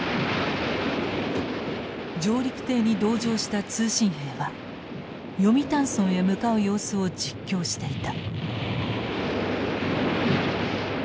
上陸艇に同乗した通信兵は読谷村へ向かう様子を実況していた。